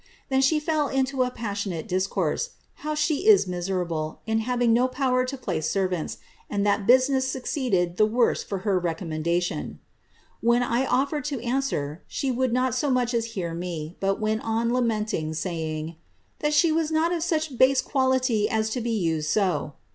Then she fell into a passionate discourse — *bow she is miserable, in having no power to place servant^ and that business sue* oeede<l the worse for her reconimendation.* When I ofiered to answer, she would not so much as hear mc, but went on lamenting, saying, * that she was not of such base quality as to be used so!'